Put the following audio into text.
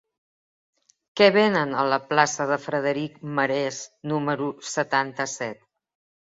Què venen a la plaça de Frederic Marès número setanta-set?